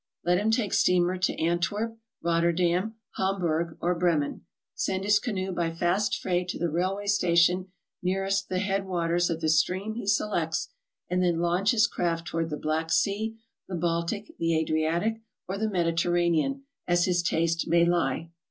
Let him take steamer to Antwerp, Rotterdam, Hamburg, or Bremen, send his canoe by fast freight to the railway station nearest the head waters of the stream he selects, and then launch his craft toward the Black Sea, the Baltic, the Adri atic, or the Mediterranean, as his taste may lie.